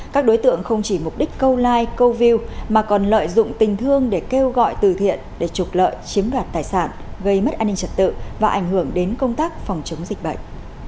các đối tượng không chỉ mục đích câu like câu view mà còn lợi dụng tình thương để kêu gọi từ thiện để trục lợi chiếm đoạt tài sản gây mất an ninh trật tự và ảnh hưởng đến công tác phòng chống dịch bệnh